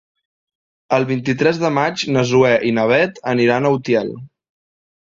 El vint-i-tres de maig na Zoè i na Bet aniran a Utiel.